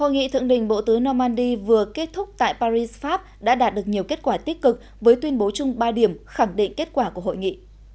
hội nghị thượng đỉnh bộ tứ normandy vừa kết thúc tại paris pháp đã đạt được nhiều kết quả tích cực với tuyên bố chung ba điểm khẳng định kết quả của hội nghị